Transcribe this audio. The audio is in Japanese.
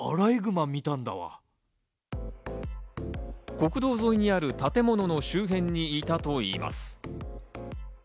国道沿いにある建物の周辺にいたといいます。